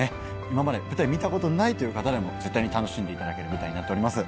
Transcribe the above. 今まで舞台見たことないという方でも絶対に楽しんでいただける舞台になっております。